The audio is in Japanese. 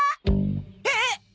えっ！？